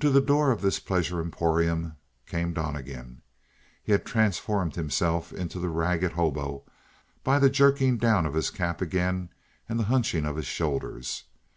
To the door of this pleasure emporium came Donnegan. He had transformed himself into the ragged hobo by the jerking down of his cap again, and the hunching of his shoulders.